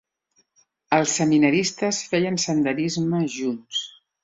Els seminaristes feien senderisme junts.